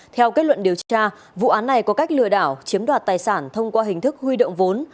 theo kết luận điều tra vụ án này có cách lừa đảo chiếm đoạt tài sản thông qua hình thức huy động vốn